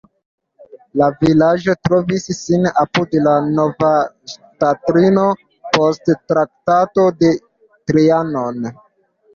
La vilaĝo trovis sin apud la nova ŝtatlimo post Traktato de Trianon.